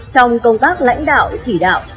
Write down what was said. trong công tác lãnh đạo chỉ đạt